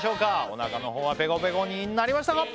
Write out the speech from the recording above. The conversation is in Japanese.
お腹のほうはペコペコになりましたか？